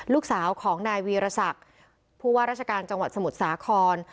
ลูกสาวของนายวีรศักดิ์ผู้ว่าราชการจังหวัดสมุทรสาคร